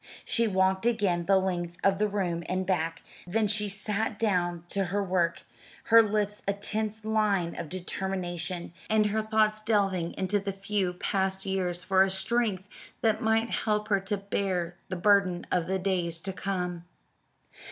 She walked again the length of the room and back; then she sat down to her work, her lips a tense line of determination, and her thoughts delving into the few past years for a strength that might help her to bear the burden of the days to come.